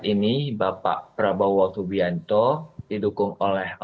ini gak kelihatan nih gambarnya nih